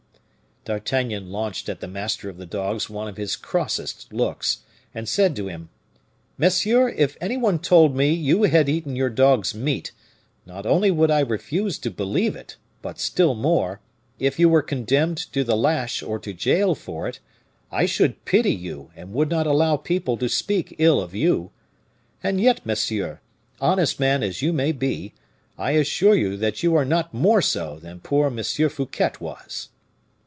D'Artagnan launched at the master of the dogs one of his crossest looks, and said to him, "Monsieur, if any one told me you had eaten your dogs' meat, not only would I refuse to believe it; but still more, if you were condemned to the lash or to jail for it, I should pity you and would not allow people to speak ill of you. And yet, monsieur, honest man as you may be, I assure you that you are not more so than poor M. Fouquet was."